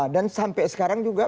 dan sampai sekarang juga